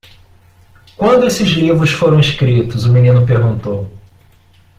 "Quando esses livros foram escritos?" o menino perguntou.